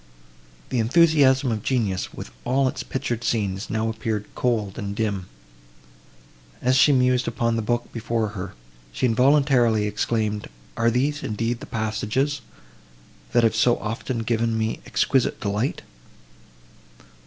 The enthusiasm of genius, with all its pictured scenes, now appeared cold, and dim. As she mused upon the book before her, she involuntarily exclaimed, "Are these, indeed, the passages, that have so often given me exquisite delight?